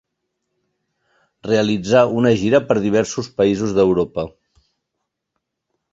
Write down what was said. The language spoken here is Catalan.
Realitzà una gira per diversos països d'Europa.